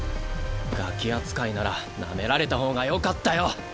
ガキ扱いならなめられた方がよかったよ。